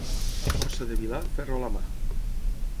A força de vilà, ferro a la mà.